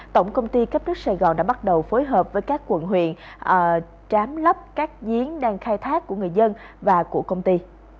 tổng công ty cấp nước sài gòn đã bắt đầu phối hợp với các quận huyện trám lấp các giếng đang khai thác của người dân và của công ty